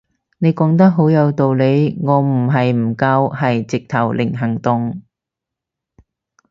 你講得好有道理，我唔係唔夠係直頭零行動